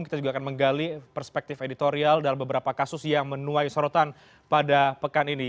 kita juga akan menggali perspektif editorial dalam beberapa kasus yang menuai sorotan pada pekan ini